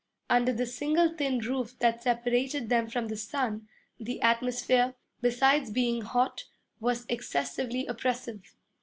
Under the single thin roof that separated them from the sun, the atmosphere, besides being hot, was excessively oppressive.